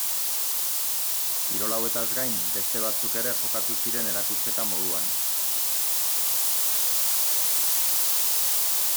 Kirol hauetaz gain beste batzuk ere jokatu ziren erakusketa moduan.